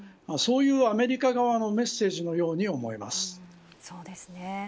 そういうアメリカ側のメッセージのように思います。